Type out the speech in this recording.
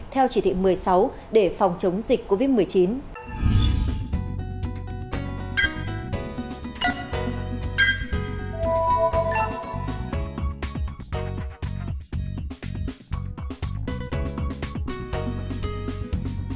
theo chỉ thị một mươi sáu để phòng chống dịch covid một mươi chín